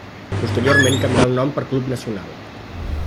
Posteriorment canvià el nom per Club Nacional.